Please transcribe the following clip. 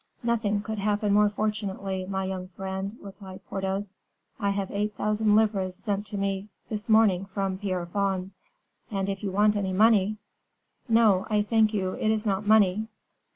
"Nothing could happen more fortunately, my young friend," replied Porthos; "I have eight thousand livres sent me this morning from Pierrefonds; and if you want any money " "No, I thank you; it is not money."